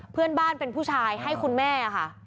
เพื่อนบ้านเป็นผู้ชายให้คุณแม่ค่ะ